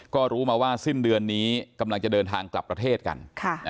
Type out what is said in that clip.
ก็รู้มาว่าสิ้นเดือนนี้กำลังจะเดินทางกลับประเทศกัน